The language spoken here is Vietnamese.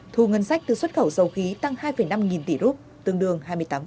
thu ngân sách từ xuất khẩu dầu khí tăng hai năm nghìn tỷ rup tương đương hai mươi tám